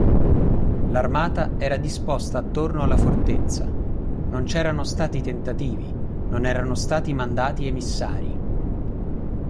L'armata era disposta attorno alla fortezza, non c'erano stati tentativi, non erano stati mandati emissari.